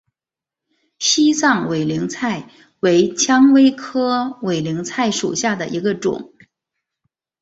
西藏委陵菜为蔷薇科委陵菜属下的一个种。